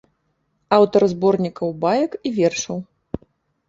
Аўтар зборнікаў баек і вершаў.